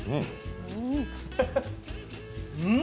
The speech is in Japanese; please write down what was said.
うん！